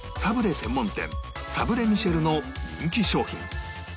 専門店サブレミシェルの人気商品